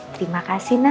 terima kasih nak